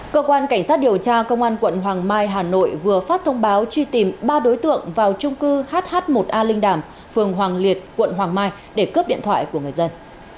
cơ quan cảnh sát điều tra công an quận hoàng mai hà nội vừa phát thông báo truy tìm ba đối tượng vào trung cư hh một a linh đàm phường hoàng liệt quận hoàng mai để cướp điện thoại của người dân